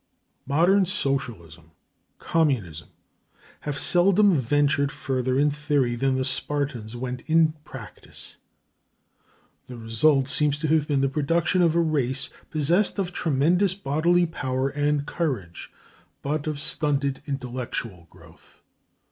Modern socialism, communism, have seldom ventured further in theory than the Spartans went in practice. The result seems to have been the production of a race possessed of tremendous bodily power and courage, but of stunted intellectual growth.